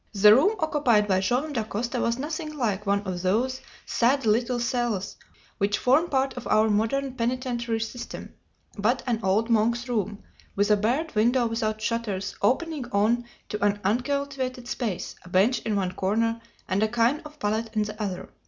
The room occupied by Joam Dacosta was nothing like one of those sad little cells which form part of our modern penitentiary system: but an old monk's room, with a barred window without shutters, opening on to an uncultivated space, a bench in one corner, and a kind of pallet in the other.